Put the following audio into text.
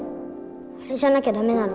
あれじゃなきゃ駄目なの。